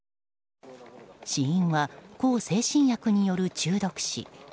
死因は向精神薬による中毒死。